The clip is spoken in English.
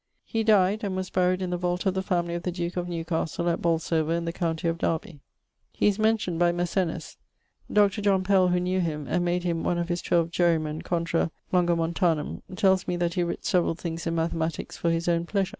He dyed ... and was buried in the vault of the family of the duke of Newcastle, at Bolsover, in the countie of . He is mentioned by Mersennus. Dr. John Pell (who knew him, and made him one of his XII jurymen contra Longomontanum) tells me that he writt severall things in mathematiques for his owne pleasure.